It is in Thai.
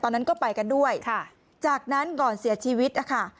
นั้นก็ไปกันด้วยค่ะจากนั้นก่อนเสียชีวิตนะคะ